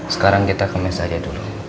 sekarang kita ke mes aja dulu